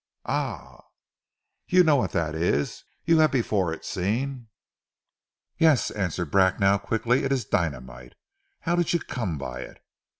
"Ah!" "You know what dat is? You hav' before it seen?" "Yes!" answered Bracknell quickly. "It is dynamite. How did you come by it?"